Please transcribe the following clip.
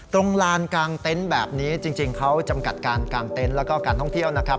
ตรงลานกลางเต็นต์แบบนี้จริงเขาจำกัดการกางเต็นต์แล้วก็การท่องเที่ยวนะครับ